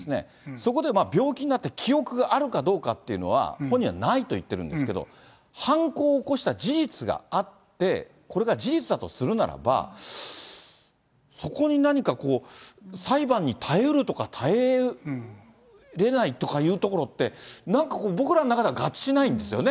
そこで病気になって記憶があるかどうかっていうのは、本人はないと言ってるんですけど、犯行を起こした事実があって、これが事実だとするならば、そこに何かこう、裁判に耐えうるとか耐えれないとかいうところって、なんかこう、僕らの中では合致しないんですよね。